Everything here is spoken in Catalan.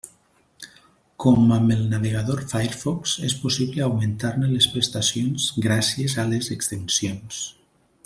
Com amb el navegador Firefox, és possible augmentar-ne les prestacions gràcies a les extensions.